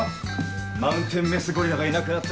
マウンテンメスゴリラがいなくなった